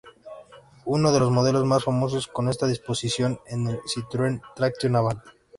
Uno de los modelos más famosos con esta disposición es el Citroën Traction Avant.